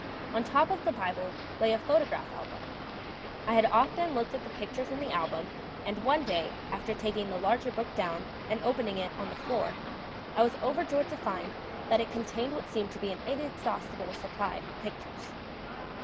On top of the Bible lay a photograph album. I had often looked at the pictures in the album, and one day, after taking the larger book down and opening it on the floor, I was overjoyed to find that it contained what seemed to be an inexhaustible supply of pictures.